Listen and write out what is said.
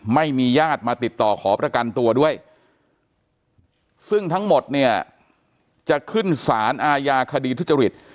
ไม่มีญาติมาติดต่อขอประกันตัวด้วยซึ่งทั้งหมดเนี่ยจะขึ้นสารอาญาคดีทุจริต